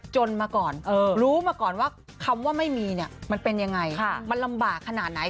จนมาก่อนรู้มาก่อนว่าคำว่าไม่มีเนี่ยมันเป็นยังไงมันลำบากขนาดไหน